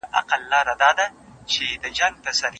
وو حاکم خو زور یې زیات تر وزیرانو